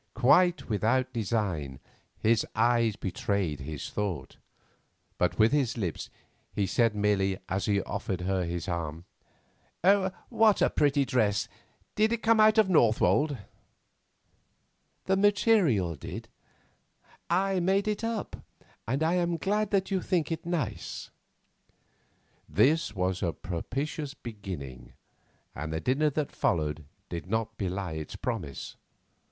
Quite without design his eyes betrayed his thought, but with his lips he said merely as he offered her his arm,— "What a pretty dress! Did it come out of Northwold?" "The material did; I made it up, and I am glad that you think it nice." This was a propitious beginning, and the dinner that followed did not belie its promise.